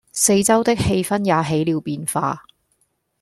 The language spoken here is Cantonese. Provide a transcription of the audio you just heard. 四周的氣氛也起了變化